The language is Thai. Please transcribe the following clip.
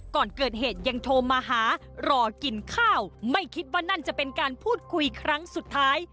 ก่อนเกิดเหตุยังโทรมาหารอกินข้าวไม่คิดว่านั่นจะเป็นการพูดคุยครั้งสุดท้าย